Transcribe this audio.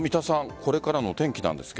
これからの天気なんですが。